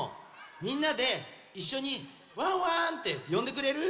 みんなでいっしょに「ワンワン」ってよんでくれる？